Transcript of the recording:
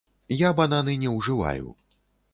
Я бананы не ўжываю.